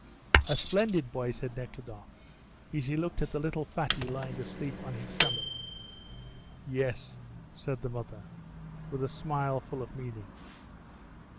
"A splendid boy," said Nekhludoff, as he looked at the little fatty lying asleep on his stomach. "Yes," said the mother, with a smile full of meaning.